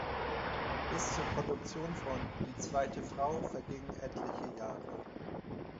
Bis zur Produktion von "Die zweite Frau" vergingen etliche Jahre.